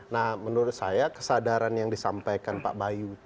nah menurut saya kesadaran yang disampaikan pak bayu